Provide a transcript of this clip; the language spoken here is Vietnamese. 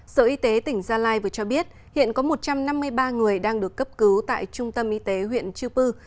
sở y tế tỉnh gia lai vừa cho biết hiện có một trăm năm mươi ba người đang được cấp cứu tại trung tâm y tế huyện chư pư